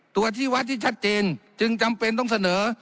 ตัวที่วัดที่ชัดเจนจึงจำเป็นต้องเสนอ